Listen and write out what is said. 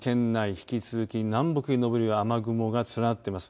引き続き南北に延びる雨雲が連なってます。